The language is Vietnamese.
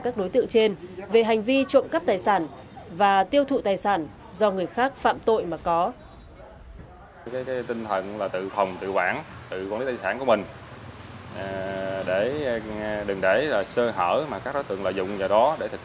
các đối tượng trên về hành vi trộm cắp tài sản và tiêu thụ tài sản do người khác phạm tội mà có